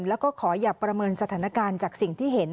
แล้วก็ขออย่าประเมินสถานการณ์จากสิ่งที่เห็น